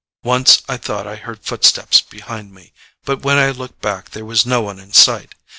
Once I thought I heard footsteps behind me, but when I looked back there was no one in sight.